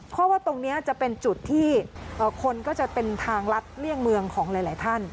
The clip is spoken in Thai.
เพราะว่าตรงนี้จะเป็นจุดที่คนก็จะเป็นทางลัดเลี่ยงเมืองของหลายท่าน